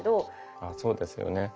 ああそうですよね。